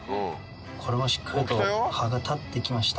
これもしっかりと葉が立って来ました。